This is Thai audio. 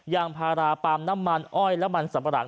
ยางพาราปาล์มน้ำมันอ้อยและมันสับปะหลัง